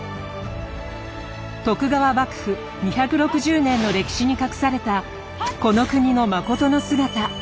徳川幕府２６０年の歴史に隠されたこの国のまことの姿。